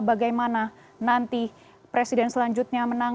bagaimana nanti presiden selanjutnya menang